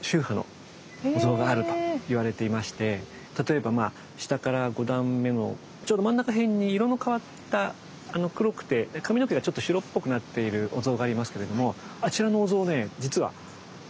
例えば下から５段目のちょうど真ん中へんに色の変わった黒くて髪の毛がちょっと白っぽくなっているお像がありますけれどもあちらのお像ね